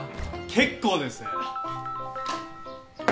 結構です！